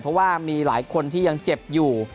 เพราะว่ามีหลายคนที่ยังเจ็บอยู่